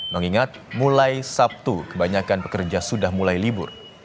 mengingat mulai sabtu kebanyakan pekerja sudah mulai libur